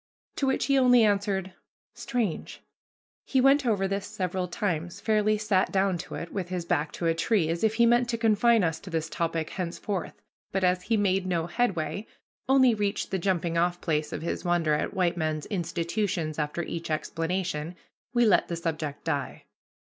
To which he only answered, "Strange!" He went over this several times, fairly sat down to it, with his back to a tree, as if he meant to confine us to this topic henceforth; but as he made no headway, only reached the jumping off place of his wonder at white men's institutions after each explanation, we let the subject die.